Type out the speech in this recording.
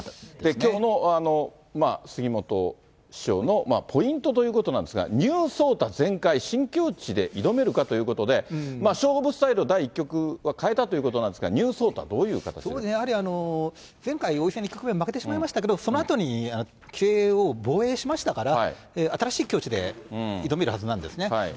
きょうの杉本師匠のポイントということなんですが、ニュー聡太全開、新境地で挑めるかということで、勝負スタイルを第１局は変えたということなんですが、ニュー聡太、そうですね、やはり、前回王位戦で結局負けてしまいましたけれども、そのあとに棋聖を防衛しましたから、新しい境地で挑めるはずなんですね。